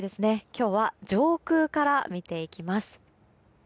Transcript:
今日は上空から見ていきます。